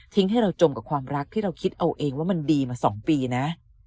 ให้เราจมกับความรักที่เราคิดเอาเองว่ามันดีมา๒ปีนะ